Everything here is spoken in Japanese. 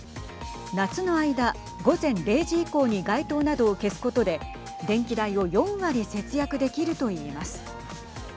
夏の間、午前０時以降に街灯などを消すことで電気代を４割節約できるといいます。